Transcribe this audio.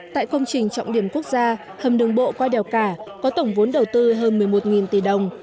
tại công trình trọng điểm quốc gia hầm đường bộ qua đèo cả có tổng vốn đầu tư hơn một mươi một tỷ đồng